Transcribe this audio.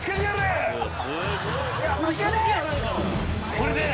これで。